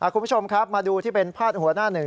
คุณผู้ชมครับมาดูที่เป็นพาดหัวหน้าหนึ่ง